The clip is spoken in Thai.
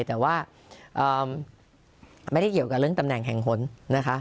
แต่ว่าไม่ได้เกี่ยวกับเรื่องตำแหน่งแห่งหนนะคะ